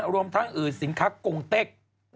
รวมทั้งสินค้ากงเต็ก